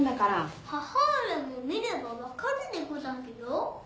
母上も見れば分かるでござるよ。